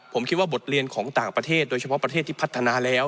ผมคิดว่าบทเรียนของต่างประเทศโดยเฉพาะประเทศที่พัฒนาแล้ว